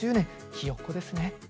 ひよっこですね。